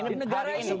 ini negara ini